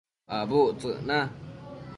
Abudtsëc na